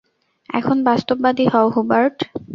এখন, বাস্তববাদী হও, হুবার্ট।